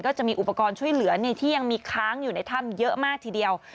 จะมีอุปกรณ์ช่วยเหลือที่ยังมีค้างอยู่ในถ้ำเยอะมากทีเดียว